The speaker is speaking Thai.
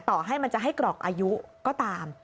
ต่อให้มันจะให้กรอกอายุก็ตาม